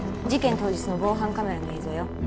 事件当日の防犯カメラの映像よ